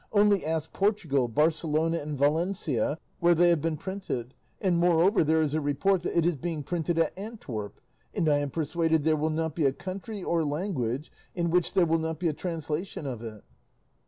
Only ask Portugal, Barcelona, and Valencia, where they have been printed, and moreover there is a report that it is being printed at Antwerp, and I am persuaded there will not be a country or language in which there will not be a translation of it."